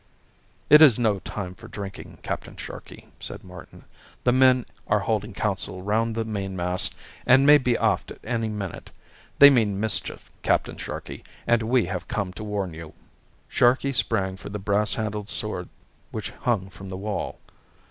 "It is no time for drinking, Captain Sharkey," said Martin. "The men are holding council round the mainmast, and may be aft at any minute. They mean mischief, Captain Sharkey, and we have come to warn you." Sharkey sprang for the brass handled sword which hung from the wall.